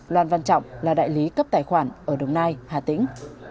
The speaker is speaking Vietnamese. loan văn trọng là đại lý cấp tài khoản ở đồng nai hà tĩnh